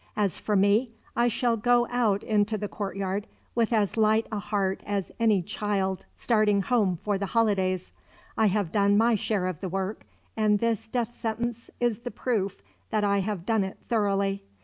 As for me, I shall go out into the courtyard with as light a heart as any child starting home for the holidays. I have done my share of the work, and this death sentence is the proof that I have done it thoroughly.